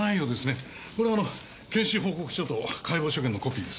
これあの検視報告書と解剖所見のコピーです。